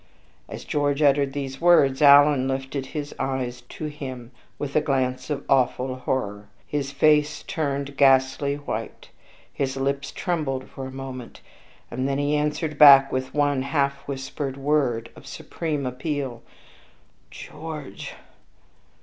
As George uttered these words, Alan lifted his eyes to him with a glance of awful horror: his face turned ghastly white; his lips trembled for a moment; and then he answered back with one half whispered word of supreme appeal "George!"